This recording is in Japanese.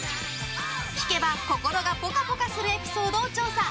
聞けば心がぽかぽかするエピソードを調査！